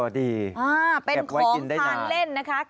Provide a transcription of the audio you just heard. อ๋อดีแอบไว้กินได้นานเป็นของทานเล่นนะคะ